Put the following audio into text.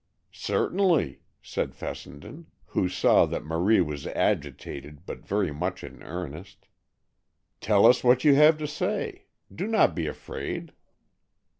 "Certainly," said Fessenden, who saw that Marie was agitated, but very much in earnest. "Tell us what you have to say. Do not be afraid."